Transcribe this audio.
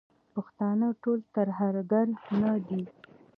پښتانه ټول ترهګر نه دي.